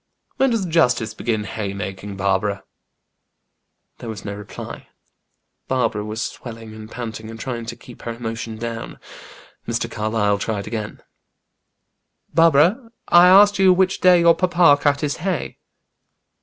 "When does the justice begin haymaking, Barbara?" There was no reply. Barbara was swelling and panting, and trying to keep her emotion down. Mr. Carlyle tried again, "Barbara, I asked you which day your papa cut his hay."